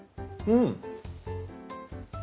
うん！